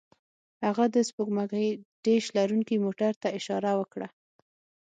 هغه د سپوږمکۍ ډیش لرونکي موټر ته اشاره وکړه